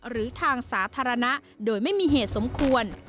หรือทางสาธารณะโดยไม่มีเหตุสมควร